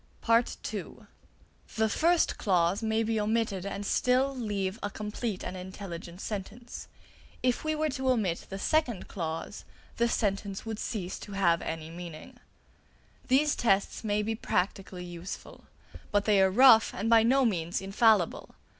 (b) The first clause may be omitted and still leave a complete and intelligent sentence; if we were to omit the second clause, the sentence would cease to have any meaning. These tests may be practically useful; but they are rough and by no means infallible.